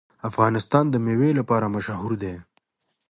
افغانستان د مېوې لپاره مشهور دی.